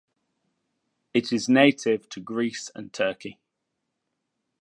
It is native to Greece and Turkey.